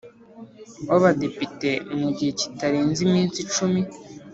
W abadepite mu gihe kitarenze iminsi cumi